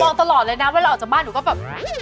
ตลอดเลยนะเวลาออกจากบ้านหนูก็แบบ